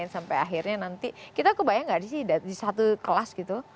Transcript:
sampai akhirnya nanti kita kebayang gak sih di satu kelas gitu